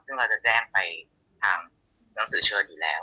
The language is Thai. ซึ่งเราจะแจ้งไปทางหนังสือเชิญอยู่แล้ว